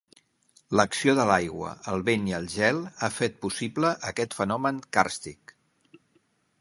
L'acció de l'aigua, el vent i el gel, ha fet possible aquest fenomen càrstic.